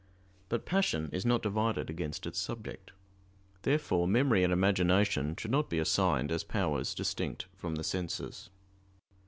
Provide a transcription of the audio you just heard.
But passion is not divided against its subject. Therefore memory and imagination should not be assigned as powers distinct from the senses.